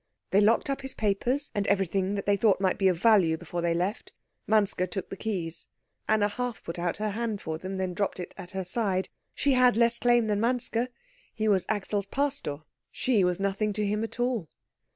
They locked up his papers and everything that they thought might be of value before they left. Manske took the keys. Anna half put out her hand for them, then dropped it at her side. She had less claim than Manske: he was Axel's pastor; she was nothing to him at all.